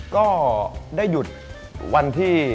ก็ได้หยุดวันที่